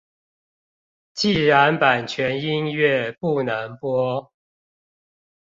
既然版權音樂不能播